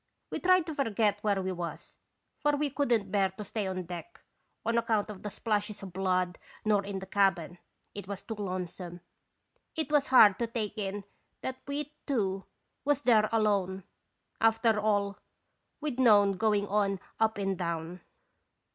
"We tried to forget where we was, for we could n't bear to stay on deck, on account of the splashes of blood, nor in the cabin it was too lonesome. It was hard to take in that we two was there alone, after all we 'd known go ing on up and down.